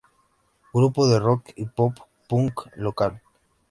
Grupo de Rock y Pop Punk local.